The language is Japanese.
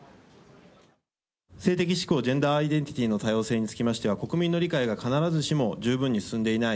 性的指向・ジェンダーアイデンティティーの多様性につきましては、国民の理解が必ずしも十分に進んでいない。